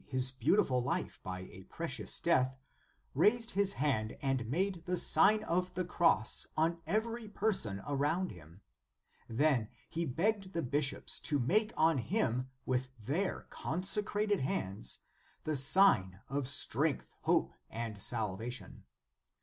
In the Nineteenth Century 157 his beautiful life by a precious death, raised his hand and made the Sign of the Cross on every person around him. Then he begged the bishops to make on him with their conse crated hands, the sign of strength, hope, and salvation.